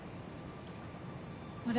あれ？